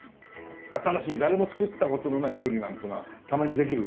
新しい誰も作った事のない料理なんてのはたまにできる？